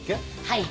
はい。